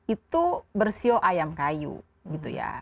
itu bersio ayam kayu gitu ya